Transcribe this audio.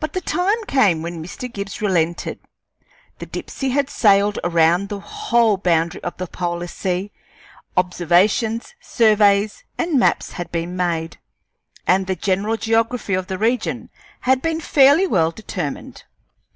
But the time came when Mr. Gibbs relented. The Dipsey had sailed around the whole boundary of the polar sea; observations, surveys, and maps had been made, and the general geography of the region had been fairly well determined.